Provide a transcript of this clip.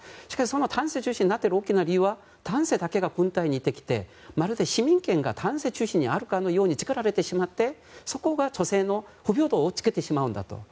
しかしその男性中心になっている大きな理由は男性だけが軍隊に行ってきてまるで市民権が男性中心にあるかのように作られてしまってそこが女性の不平等をつけてしまうんだと。